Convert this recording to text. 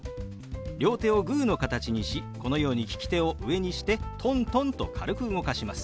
両手をグーの形にしこのように利き手を上にしてトントンと軽く動かします。